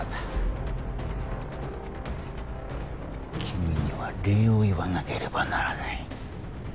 君には礼を言わなければならない。